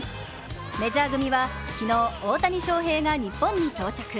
メジャー組は昨日、大谷翔平が日本に到着。